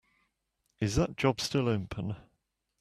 Is that job still open?